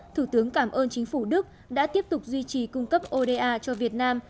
thủ tướng cảm ơn chính phủ đức đã tiếp tục duy trì cung cấp oda cho việt nam